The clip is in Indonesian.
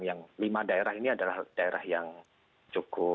yang lima daerah ini adalah daerah yang cukup